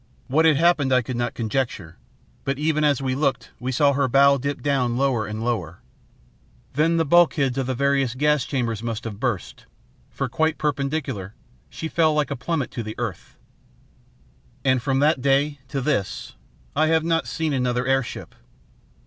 What had happened I could not conjecture, but even as we looked we saw her bow dip down lower and lower. Then the bulkheads of the various gas chambers must have burst, for, quite perpendicular, she fell like a plummet to the earth. [Illustration: She fell like a plummet to the earth 132] "And from that day to this I have not seen another airship.